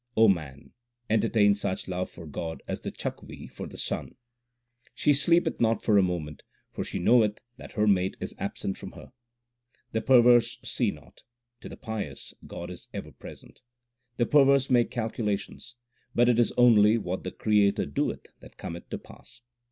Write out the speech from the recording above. man, entertain such love for God as the chakwi 1 for the sun. She sleepeth not for a moment, for she knoweth that her mate is absent from her. The perverse see not ; to the pious God is ever present. The perverse make calculations, but it is only what the Creator doeth that cometh to pass.